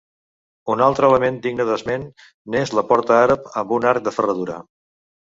Un altre element digne d'esment n'és la porta àrab amb un arc de ferradura.